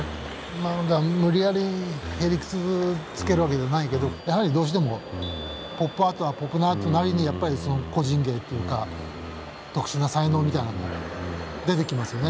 無理やり屁理屈づけるわけじゃないけどやはりどうしてもポップアートはポップアートなりに個人芸というか特殊な才能みたいなのが出てきますよね。